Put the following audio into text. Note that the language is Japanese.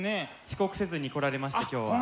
遅刻せずに来られました今日は。